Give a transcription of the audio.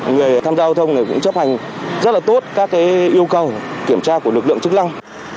người tham gia giao thông cũng chấp hành rất là tốt các yêu cầu kiểm tra của lực lượng chức năng